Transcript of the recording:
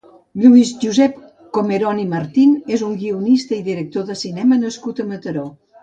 Lluís Josep Comeron i Martín és un guionista i director de cinema nascut a Mataró.